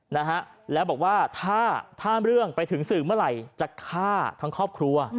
นะฮะแล้วบอกว่าถ้าถ้าเรื่องไปถึงสื่อเมื่อไหร่จะฆ่าทั้งครอบครัว